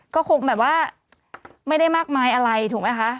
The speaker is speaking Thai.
ก็คงแบบว่าไม่ได้มากมายอะไรถูกไหมคะ